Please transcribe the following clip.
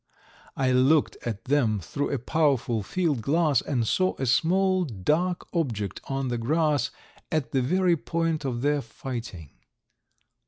I looked at them through a powerful field glass and saw a small dark object on the grass at the very point of their fighting.